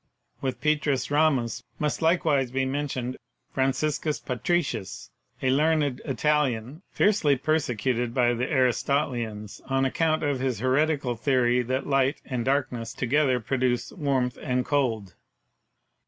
With Petrus Ramus must likewise be mentioned Franciscus Patritius, a learned Italian, fiercely persecuted by the Aristotelians on account of his heretical theory that Light and Darkness together produce Warmth and Cold.